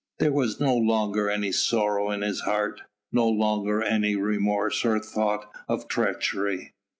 There was no longer any sorrow in his heart, no longer any remorse or thought of treachery.